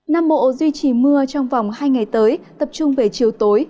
nam bộ duy trì mưa trong vòng hai ngày tới tập trung về chiều tối